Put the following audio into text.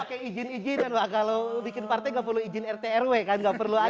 kalau gereja pake izin izin ya kalau bikin partai gak perlu izin rt rw kan gak perlu ada